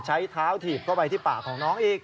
ใช้เท้าถีบเข้าไปที่ปากของน้องอีก